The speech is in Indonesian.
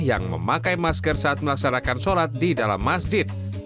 yang memakai masker saat melaksanakan sholat di dalam masjid